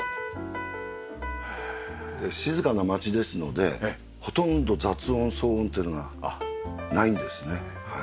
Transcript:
静かな町ですのでほとんど雑音騒音というのがないんですね。